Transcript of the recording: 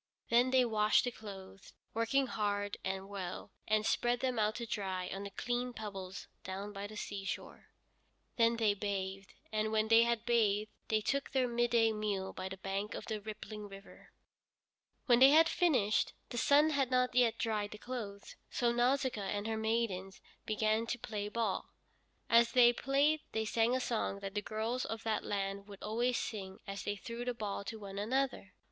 Then they washed the clothes, working hard and well, and spread them out to dry on the clean pebbles down by the seashore. Then they bathed, and when they had bathed they took their midday meal by the bank of the rippling river. When they had finished, the sun had not yet dried the clothes, so Nausicaa and her maidens began to play ball. As they played they sang a song that the girls of that land would always sing as they threw the ball to one another.